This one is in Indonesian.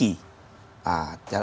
tikus sedang bagus